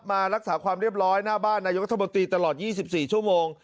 มารักษาความเรียบร้อยหน้าบ้านนายกรัฐมนตรีตลอด๒๔ชั่วโมง